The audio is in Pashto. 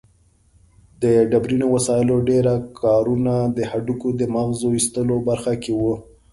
د ډبرینو وسایلو ډېره کارونه د هډوکو د مغزو ایستلو برخه کې وه.